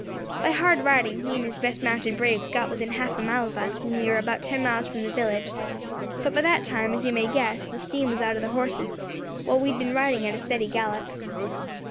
By hard riding he and his best mounted braves got within half a mile of us when we war about ten miles from the village. But by that time, as you may guess, the steam was out of their horses, while we had been riding at a steady gallop.